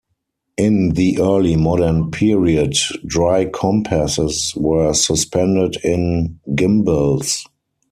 In the early modern period, dry compasses were suspended in gimbals.